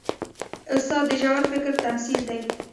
استاد د ژور فکر تمثیل دی.